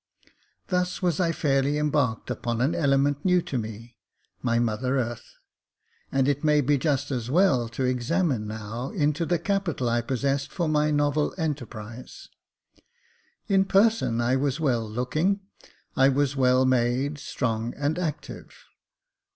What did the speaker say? Thus was I fairly embarked upon an element new to me — my mother earth ; and it may be just as well to examine now into the capital I possessed for my novel enterprise. In person I was well looking ; I was well made, strong, and active.